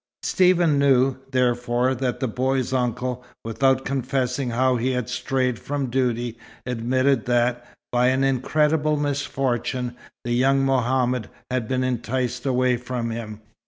Stephen knew, therefore, that the boy's uncle, without confessing how he had strayed from duty, admitted that, "by an incredible misfortune," the young Mohammed had been enticed away from him.